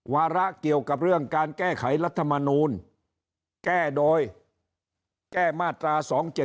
วาระเกี่ยวกับเรื่องการแก้ไขรัฐมนูลแก้โดยแก้มาตรา๒๗๒